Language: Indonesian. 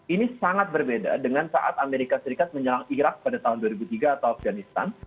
ini sangat berbeda dengan saat amerika serikat menyerang irak pada tahun dua ribu tiga atau afganistan